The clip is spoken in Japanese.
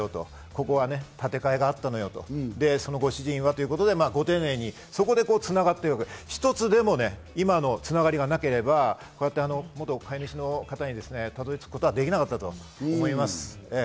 ここは建て替えがあったと、ご主人は？ということで、ご丁寧にそこでつながって、一つでも今のつながりがなければ元飼い主の方にたどり着くことはできなかったと思います。